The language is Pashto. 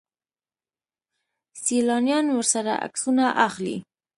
سیلانیان ورسره عکسونه اخلي.